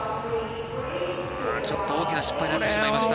ちょっと大きな失敗になってしまいました。